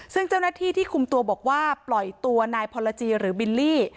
ซึ่งเจ้าหน้าที่ที่คุมตัวบอกว่าปล่อยตัวนายพรจีหรือบิลลี่